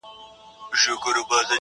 معاش مو یو برابره مو حِصه ده.